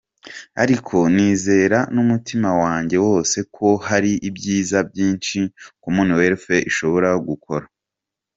Ariko nizera n’umutima wanjye wose ko hari ibyiza byinshi Commonwealth ishobora gukora.”